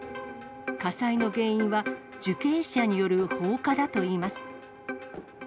火災の原因は受刑者による放火だといいます。